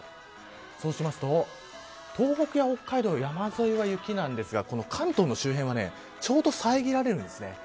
そうしますと、東北や北海道の山沿いは雪なんですが関東の周辺はちょうど遮られるんです。